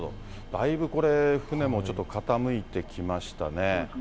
だいぶこれ、船もちょっと傾いてきましたね。